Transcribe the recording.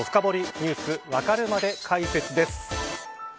Ｎｅｗｓわかるまで解説です。